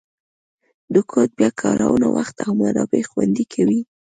د کوډ بیا کارونه وخت او منابع خوندي کوي.